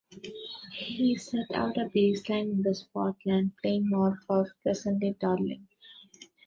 He set out a baseline in the Swartland plain north of present-day Darling.